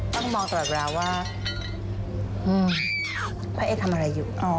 ต้องมองตลอดเวลาว่าพระเอกทำอะไรอยู่